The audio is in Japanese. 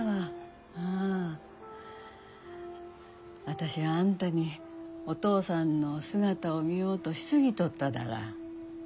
私あんたにお父さんの姿を見ようとしすぎとっただら。